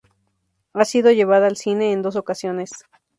Ha sido llevada al cine en dos ocasiones.